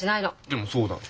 でもそうだろ。